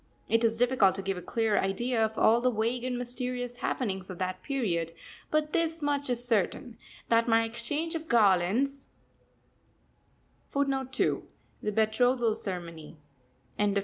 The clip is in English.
It is difficult to give a clear idea of all the vague and mysterious happenings of that period, but this much is certain, that my exchange of garlands with Poetic Fancy was already duly celebrated.